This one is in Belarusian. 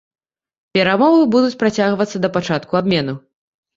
Перамовы будуць працягвацца да пачатку абмену.